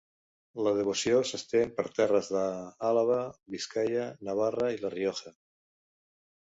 La devoció s'estén per terres d'Àlaba, Biscaia, Navarra i La Rioja.